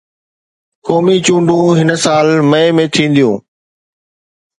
قومي چونڊون هن سال مئي ۾ ٿينديون